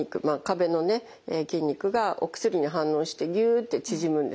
筋肉がお薬に反応してぎゅって縮むんですね。